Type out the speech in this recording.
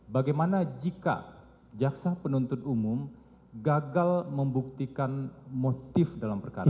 bagaimana jika jaksa penuntut umum gagal membuktikan motif dalam perkara ini